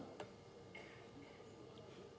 ibarat kita kesebelasan